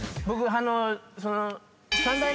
僕その。